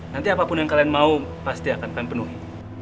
nanti apapun yang kalian mau pasti akan pak rt mempenuhi